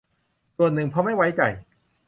ส่วนหนึ่งเพราะไม่ไว้ใจ